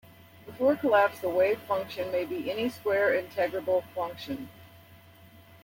Before collapse, the wave function may be any square-integrable function.